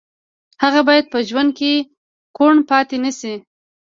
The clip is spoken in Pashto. هغه باید په ژوند کې کوڼ پاتې نه شي